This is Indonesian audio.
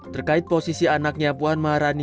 terkait posisi anaknya puan maharani